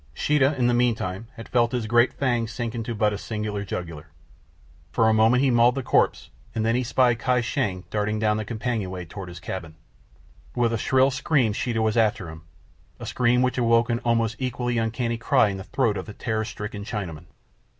Sheeta, in the meanwhile, had felt his great fangs sink into but a single jugular. For a moment he mauled the corpse, and then he spied Kai Shang darting down the companionway toward his cabin. With a shrill scream Sheeta was after him—a scream which awoke an almost equally uncanny cry in the throat of the terror stricken Chinaman.